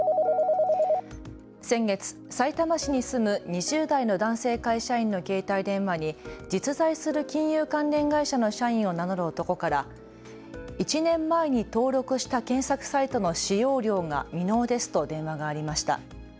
先月、さいたま市に住む２０代の男性会社員の携帯電話に実在する金融関連会社の社員を名乗る男から１年前に登録した検索サイトの使用料が未納ですと電話がありました。